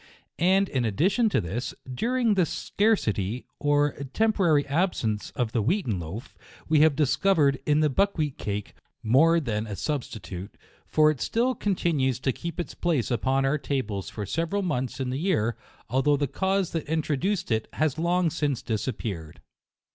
And in addition to this, during the scarcity, or tempo rary absence of the wheaten loaf, we have discovered in the buckwheat cake, more than L 122 JUNE. a substitute ; for it still continues to keep its place upon our tables for several months in the year, although the cause that introduced it has long since disappeared.